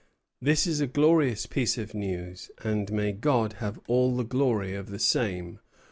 "This is a glorious piece of news, and may God have all the glory of the same!"